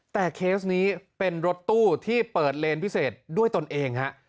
แต่เคสนี้เป็นรถตู้ที่เปิดเลนพิเศษด้วยตนเองฮะ